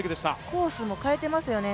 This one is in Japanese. コースも変えてますよね。